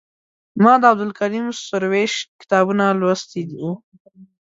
ما د عبدالکریم سروش کتابونه لوستي وو.